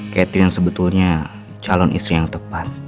cathy yang sebetulnya calon istri yang tepat